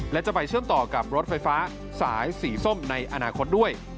และจะไปเชื่อมต่อกับรถไฟฟ้าสายสีส้มในอนาคตด้วย